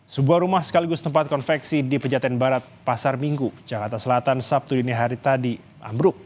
sebuah rumah sekaligus tempat konveksi di pejaten barat pasar minggu jakarta selatan sabtu dini hari tadi ambruk